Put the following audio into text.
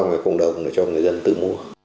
và cộng đồng cho người dân tự mua